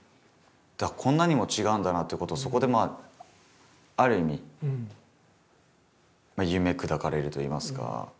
こんなにも違うんだなということをそこでまあある意味夢砕かれるといいますか。